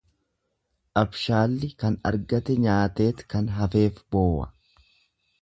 Abshaalli kan argate nyaateet kan hafeef boowa.